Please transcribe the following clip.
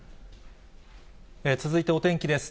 続いてお天気です。